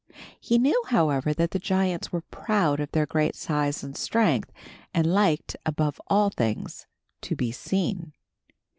He knew however that the giants were proud of their great size and strength, and liked, above all things, to be seen.